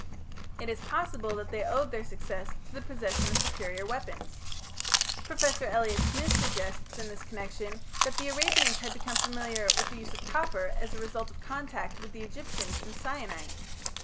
It is possible that they owed their success to the possession of superior weapons. Professor Elliot Smith suggests in this connection that the Arabians had become familiar with the use of copper as a result of contact with the Egyptians in Sinai.